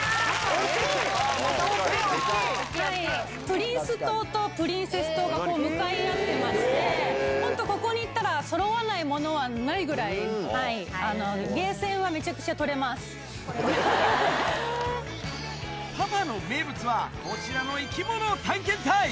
プリンス棟とプリンセス棟が向かい合ってまして、本当、ここに行ったら、そろわないものはないぐらい、ゲーセンはめちゃくちゃ取パパの名物は、こちらのいきもの探検隊。